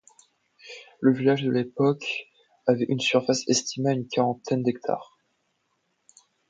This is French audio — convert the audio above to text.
Le village de l'époque avait une surface estimée à une quarantaine d'hectares.